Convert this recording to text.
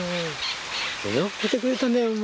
よく来てくれたね、お前。